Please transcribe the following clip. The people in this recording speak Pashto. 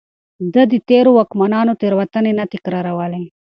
ده د تېرو واکمنانو تېروتنې نه تکرارولې.